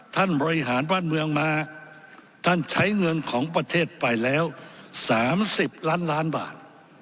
ท่านบริหารบ้านเมืองมาท่านใช้เงินของประเทศไปแล้ว๓๐ล้านล้านบาท